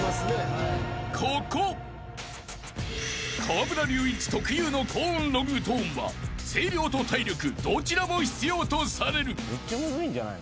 ［河村隆一特有の高音ロングトーンは声量と体力どちらも必要とされる］